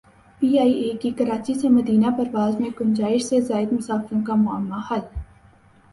P I A کی کراچی سے مدینہ پرواز میں گنجائش سے زائد مسافروں کا معمہ حل